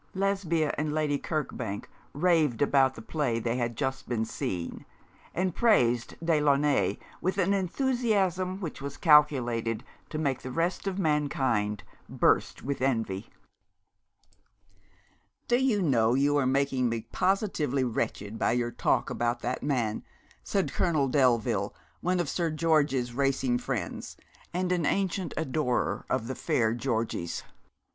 Lesbia and Lady Kirkbank raved about the play they had just been seeing, and praised Delaunay with an enthusiasm which was calculated to make the rest of mankind burst with envy. 'Do you know you are making me positively wretched by your talk about that man?' said Colonel Delville, one of Sir George's racing friends, and an ancient adorer of the fair Georgie's.